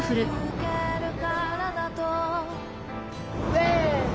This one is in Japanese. せの。